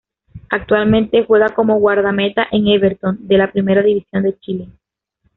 Actualmente juega como guardameta en Everton de la Primera División de Chile.